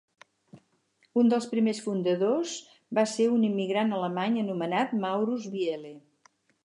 Un dels primers fundadors ca ser un immigrant alemany anomenat Maurus Biehle.